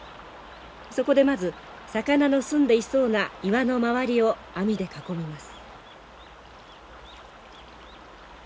そこでまず魚のすんでいそうな岩の周りを網で囲みます。